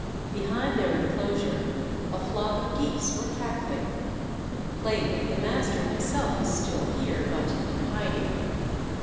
Behind their enclosure, a flock of geese were cackling. Plainly, the master him self is still here, but in hiding.